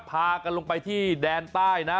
พากันลงไปที่แดนใต้นะ